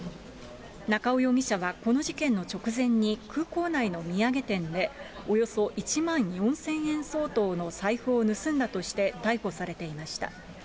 中尾容疑者はこの事件の直前に、空港内の土産店で、およそ１万４０００円相当の財布を盗んだとして、逮捕されていました。